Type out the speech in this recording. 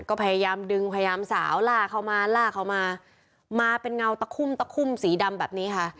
ก็พยายามดึงพยายามสาวล่าเขามาล่าเขามามาเป็นเงาตะคุ่มตะคุ่มสีดำแบบนี้ค่ะ